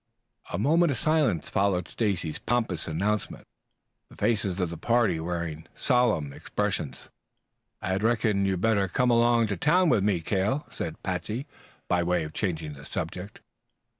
A moment of silence followed Stacy's pompous announcement, the faces of the party wearing solemn expressions. "I reckon you'd better come along to town with me, Cale," said Patsey, by way of changing the subject.